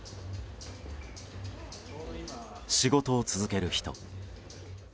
仕事を続ける人。